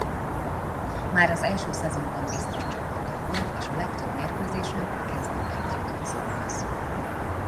Már az első szezonban biztos csapattag volt és a legtöbb mérkőzésen kezdőként jutott szóhoz.